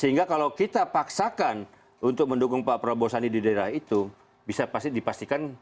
sehingga kalau kita paksakan untuk mendukung pak prabowo sandi di daerah itu bisa dipastikan